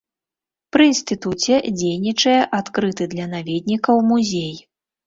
Пры інстытуце дзейнічае адкрыты для наведнікаў музей.